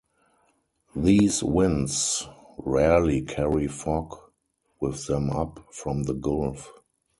These winds rarely carry fog with them up from the gulf.